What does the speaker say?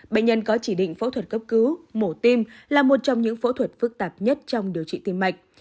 bệnh nhân có chỉ định phẫu thuật cấp cứu mổ tim là một trong những phẫu thuật phức tạp nhất trong điều trị tim mạch